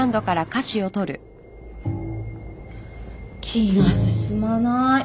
気が進まない。